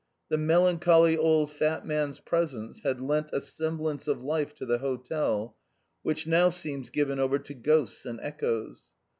The melancholy old fat man's presence had lent a semblance of life to the hotel, which how seems given over to ghosts and echoes.